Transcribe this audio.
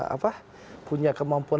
apa punya kemampuan